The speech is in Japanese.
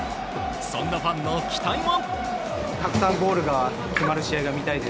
そんなファンの期待も。